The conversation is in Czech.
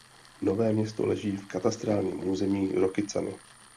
Nové Město leží v katastrálním území Rokycany.